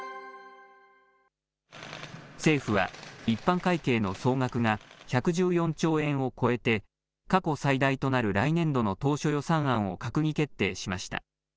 政府は、一般会計の総額が１１４兆円を超えて、過去最大となる来年度の当初予算案を閣議決定しました。